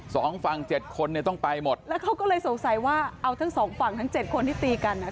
สองฝั่งเจ็ดคนเนี่ยต้องไปหมดแล้วเขาก็เลยสงสัยว่าเอาทั้งสองฝั่งทั้งเจ็ดคนที่ตีกันอ่ะ